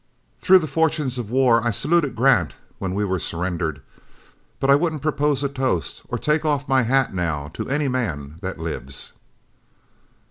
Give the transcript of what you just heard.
Through the fortunes of war, I saluted Grant when we were surrendered, but I wouldn't propose a toast or take off my hat now to any man that lives."